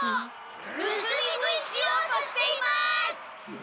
ぬすみ食いしようとしています！